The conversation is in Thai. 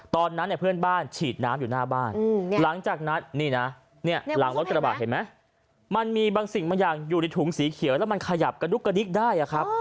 ตอนนั้นเพื่อนบ้านฉีดน้ำอยู่หน้าบ้านหลังรถกระดาบเห็นไหมมันมีบางสิ่งอยู่ในถุงสีเขียวแล้วมันขยับกระดุกกระดิกได้